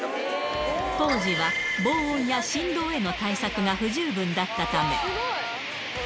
当時は防音や振動への対策が不十分だったため。